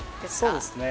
そうですね。